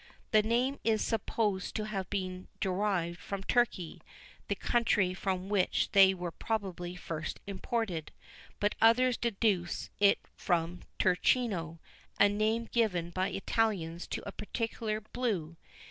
The name is supposed to have been derived from Turkey, the country from which they were probably first imported; but others deduce it from Turchino, a name given by Italians to a particular blue.